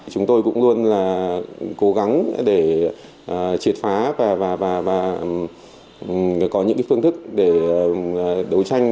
chúng tôi cũng luôn là cố gắng để triệt phá và có những phương thức để đấu tranh